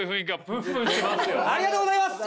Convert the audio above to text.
ありがとうございます！